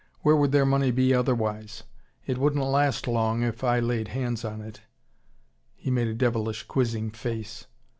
Where would their money be otherwise? It wouldn't last long if I laid hands on it " he made a devilish quizzing face.